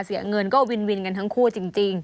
เสียเงินก็วินวินกันทั้งคู่จริง